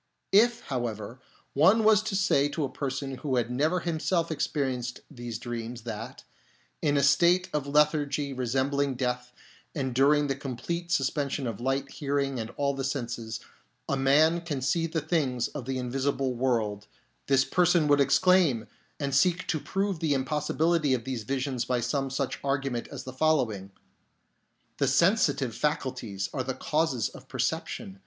If, however, one was to say to a person who had never himself experienced these dreams that, in a state of lethargy resembling death and during the complete suspension of sight, hearing, and all the senses, a man can see the things of the invisible world, this person would exclaim, and seek to prove the impossibility of these visions by some such argument as the following :" The sensitive faculties are the causes of perception.